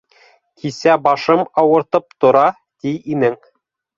- Кисә башым ауыртып тора, ти инең...